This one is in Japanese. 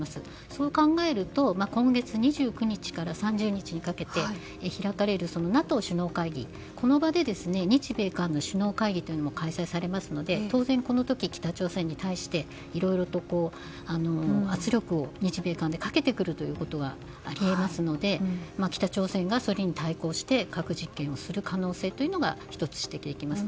そう考えると、今月２９日から３０日にかけて開かれるＮＡＴＯ首脳会議この場で、日米韓の首脳会議も行われるので当然、このとき北朝鮮に対していろいろと圧力を日米韓でかけてくるということがあり得ますので北朝鮮がそれに対抗して核実験をする可能性というのが１つ、指摘できます。